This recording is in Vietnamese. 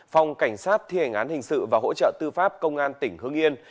phòng cảnh sát thi hành án hình sự và hỗ trợ tư pháp công an tỉnh hưng yên